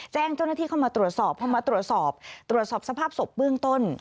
แจ้งเจ้าหน้าที่เข้ามาตรวจสอบพอมาตรวจสอบตรวจสอบสภาพศพเบื้องต้น